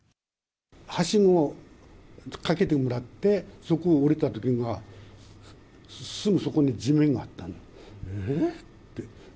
はしごをかけてもらって、そこを下りたときには、すぐそこに地面があったの。